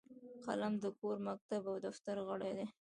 قلم د کور، مکتب او دفتر غړی دی